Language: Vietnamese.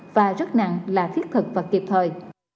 và rất nặng là thiết thực và kịp thời